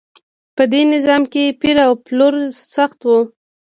په دې نظام کې پیر او پلور سخت و.